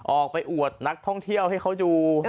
ออกไปอวดนักท่องเที่ยวให้เขาดู